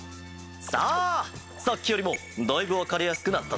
さあさっきよりもだいぶわかりやすくなったぞ。